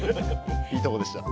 いいとこでした。